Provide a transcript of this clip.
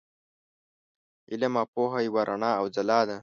علم او پوهه یوه رڼا او ځلا ده.